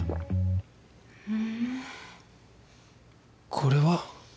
これは？